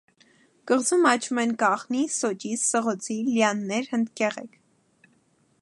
Կղզում աճում են կաղնի, սոճի, սղոցի, լիաններ, հնդկեղեգ։